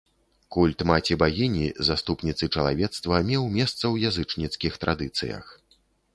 Культ маці-багіні, заступніцы чалавецтва, меў месца ў язычніцкіх традыцыях.